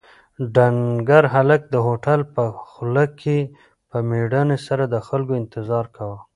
ډنکر هلک د هوټل په خوله کې په مېړانې سره د خلکو انتظار کاوه.